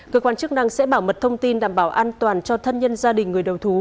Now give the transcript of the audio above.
cơ quan chức năng sẽ bảo mật thông tin đảm bảo an toàn cho thân nhân gia đình người đầu thú